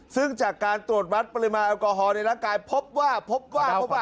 ซึ่งจากการตรวจวัดปริมาณแอลกอฮอลในร่างกายพบว่าพบว่าพบว่า